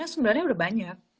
sebenarnya udah banyak